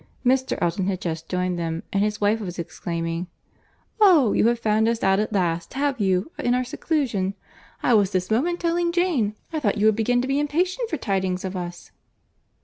—Mr. Elton had just joined them, and his wife was exclaiming, "Oh! you have found us out at last, have you, in our seclusion?—I was this moment telling Jane, I thought you would begin to be impatient for tidings of us."